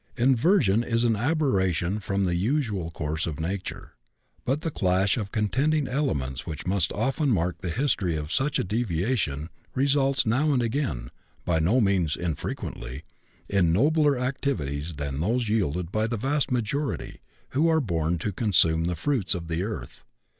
Inversion is an aberration from the usual course of nature. But the clash of contending elements which must often mark the history of such a deviation results now and again by no means infrequently in nobler activities than those yielded by the vast majority who are born to consume the fruits of the earth.